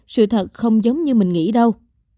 sự thật không giống như mình nghĩ đâu